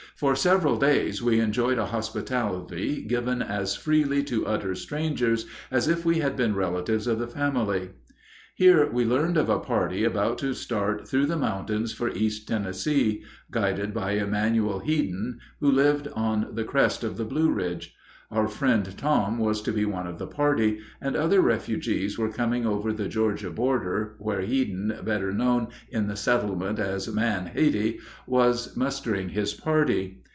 For several days we enjoyed a hospitality given as freely to utter strangers as if we had been relatives of the family. [Illustration: WE ARRIVE AT HEADEN'S.] Here we learned of a party about to start through the mountains for East Tennessee, guided by Emanuel Headen, who lived on the crest of the Blue Ridge. Our friend Tom was to be one of the party, and other refugees were coming over the Georgia border, where Headen, better known in the settlement as "Man Heady," was mustering his party.